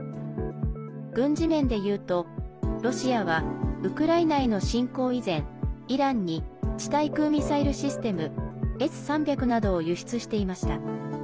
軍事面でいうとロシアはウクライナへの侵攻以前イランに地対空ミサイルシステム「Ｓ３００」などを輸出していました。